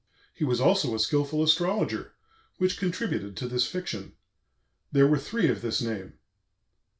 He was also a skilful Astrologer, which contributed to this Fiction. There were Three of this Name."